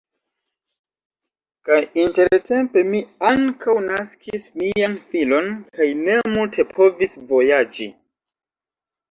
Kaj intertempe mi ankaŭ naskis mian filon kaj ne multe povis vojaĝi.